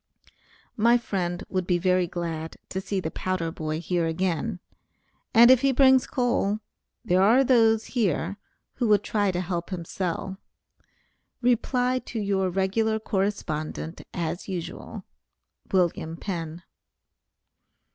My friend would be very glad to see the powder boy here again, and if he brings coal, there are those here, who would try to help him sell. Reply to your regular correspondent as usual. WM. PENN.